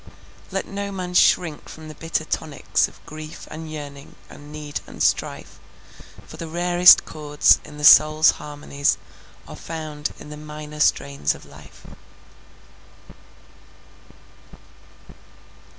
Let no man shrink from the bitter tonics Of grief, and yearning, and need, and strife, For the rarest chords in the soul's harmonies, Are found in the minor strains of life.